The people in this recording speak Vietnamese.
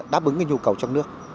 đáp ứng cái nhu cầu trong nước